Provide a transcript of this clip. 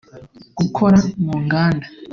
gukora mu nganda